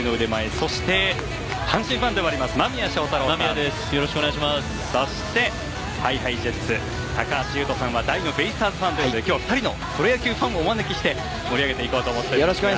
そしてＨｉＨｉＪｅｔｓ高橋優斗さんは大のベイスターズファンということで今日は２人のプロ野球ファンをお招きして盛り上げていこうと思います。